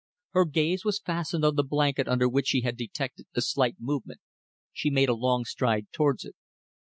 Her gaze was fastened on the blanket under which she had detected a slight movement. She made a long stride towards it.